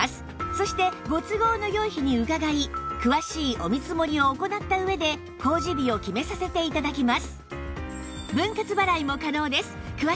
そしてご都合の良い日に伺い詳しいお見積もりを行った上で工事日を決めさせて頂きます